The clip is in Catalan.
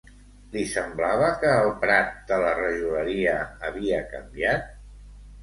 Li semblava que el prat de la rajoleria havia canviat?